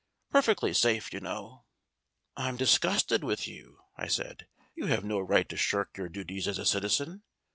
Perfectly safe, you know." "I'm disgusted with you," I said. "You have no right to shirk your duties as a citizen.